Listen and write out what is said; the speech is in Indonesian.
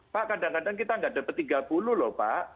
pak kadang kadang kita nggak dapat tiga puluh loh pak